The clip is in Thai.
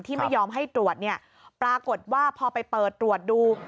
ไม่ยอมให้ตรวจเนี่ยปรากฏว่าพอไปเปิดตรวจดู